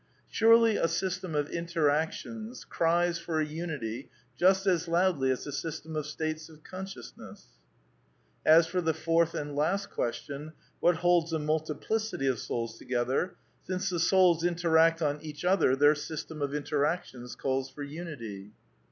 Surely a system of interactions cries for a unity just as loudly as a system of states of consciousness ? As for the fourth and last question: What holds the multiplicity of souls together? Since the souls interact on each other, ilfieir system of interactions calls for unity.